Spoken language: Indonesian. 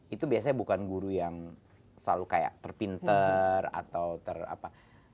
itu biasanya bukan guru yang selalu kayak terpinter atau ter apa